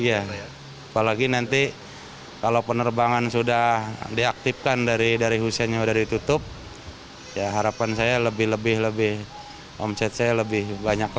apalagi nanti kalau penerbangan sudah diaktifkan dari husen yang sudah ditutup harapan saya lebih lebih omset saya lebih banyak